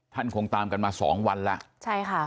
ท่านคงตามกันมาสองวันละใช่ค่ะ